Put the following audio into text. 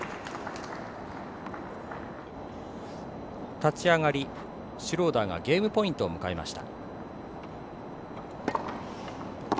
立ち上がり、シュローダーがゲームポイントを迎えました。